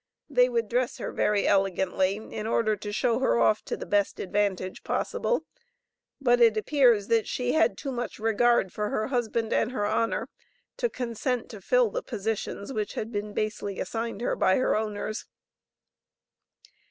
They would dress her very elegantly, in order to show her off to the best advantage possible, but it appears that she had too much regard for her husband and her honor, to consent to fill the positions which had been basely assigned her by her owners.